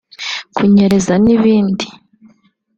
kunyereza n’ibindi